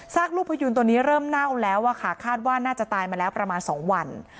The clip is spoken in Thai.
ลูกพยูนตัวนี้เริ่มเน่าแล้วอะค่ะคาดว่าน่าจะตายมาแล้วประมาณ๒วัน